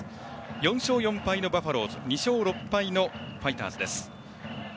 ４勝４敗のバファローズ２勝６敗のファイターズです。